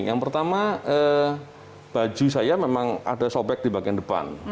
yang pertama baju saya memang ada sobek di bagian depan